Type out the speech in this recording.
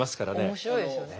面白いですよね。